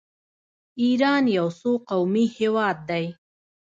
ایران یو څو قومي هیواد دی.